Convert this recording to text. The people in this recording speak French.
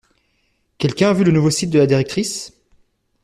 Quelqu'un a vu le nouveau site de la directrice?